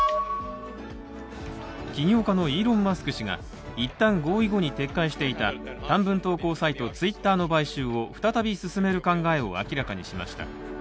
起業家のイーロン・マスク氏が一旦合意後に撤回していた短文投稿サイトツイッターの買収を再び進める考えを明らかにしました。